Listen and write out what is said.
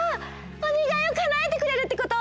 おねがいをかなえてくれるってこと？